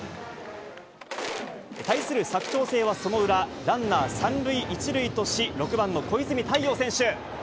対する佐久長聖はその裏、ランナー３塁１塁とし、６番の小泉太陽選手。